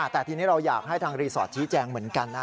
แต่ทีนี้เราอยากให้ทางรีสอร์ทชี้แจงเหมือนกันนะ